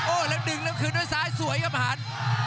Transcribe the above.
แล้วดึงแล้วคืนด้วยซ้ายสวยครับอาหาร